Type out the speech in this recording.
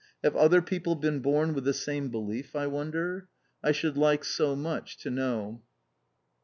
Have other people been born with the same belief, I wonder? I should like so much to know.